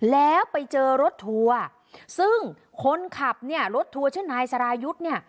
แล้วไปเจอรถทัวร์ซึ่งคนขับรถทัวร์ชื่อนายสารายุทธ์